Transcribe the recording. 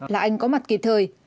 là anh có mặt kịp thời